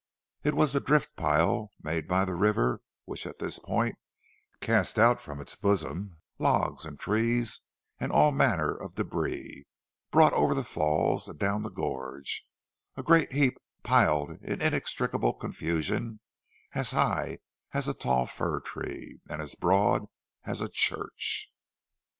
It was the drift pile made by the river, which at this point cast out from its bosom logs and trees and all manner of debris brought over the falls and down the gorge, a great heap piled in inextricable confusion as high as a tall fir tree, and as broad as a church.